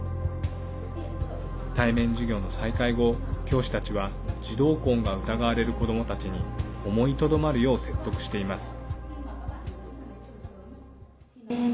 対面授業の再開後、教師たちは児童婚が疑われる子どもたちに思いとどまるよう説得しています。